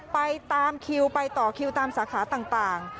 ไปตามคิวไปต่อคิวตามสาขาต่าง